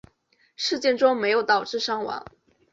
事件中没有导致伤亡。